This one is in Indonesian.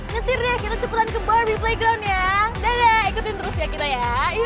nyetir ya kita cepetan ke barbie playground ya ikutin terus ya kita ya